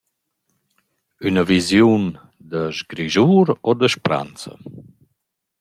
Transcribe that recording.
Üna visiun da sgrischur o da spranza?